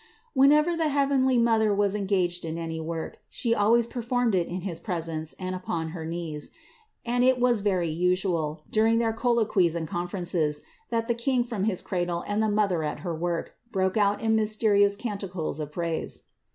Whenever the heavenly Mother was engaged in any work, She always performed it in his presence and upon her knees; and it was very usual, during their colloquies and conferences, that the King from his cradle and the Mother at her work, broke out in mysterious canticles of praise.